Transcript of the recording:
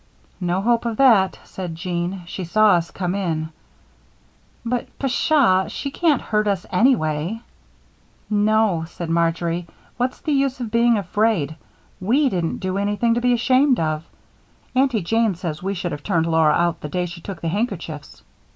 "No hope of that," said Jean. "She saw us come in. But, pshaw! she can't hurt us anyway." "No," said Marjory. "What's the use of being afraid? We didn't do anything to be ashamed of. Aunty Jane says we should have turned Laura out the day she took the handkerchiefs."